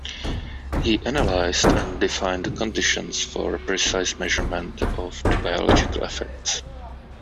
He analyzed and defined the conditions for precise measurement of the biological effects.